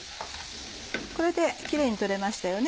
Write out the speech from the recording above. これでキレイに取れましたよね。